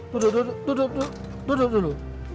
duduk duduk duduk dulu